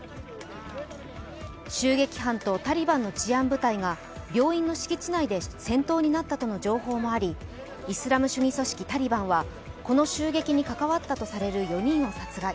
襲撃班とタリバンの治安部隊が病院の敷地内で戦闘になったとの情報もあり、イスラム主義組織タリバンはこの襲撃に関わったとされる４人を殺害。